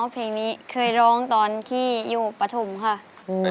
เพลงนี้เคยร้องตอนที่อยู่ปฐมค่ะ